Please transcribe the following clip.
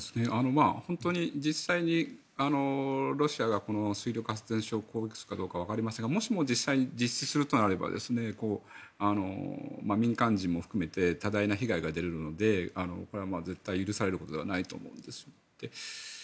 本当に実際にロシアが水力発電所を攻撃するかどうか分かりませんがもしも実際に実施するとなれば民間人も含めて多大な被害が出るのでこれは絶対許されることではないと思うんです。